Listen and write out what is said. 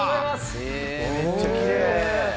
へえめっちゃきれい。